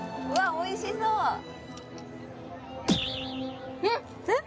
おいしそううんっ？